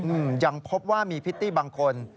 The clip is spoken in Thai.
อืมยังพบว่ามีพิตตี้บางคน